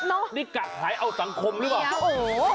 นี่กะขายเอาสังคมหรือเปล่าเดี๋ยวหัวละ๒๕บาท